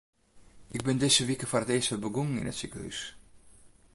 Ik bin dizze wike foar it earst wer begûn yn it sikehús.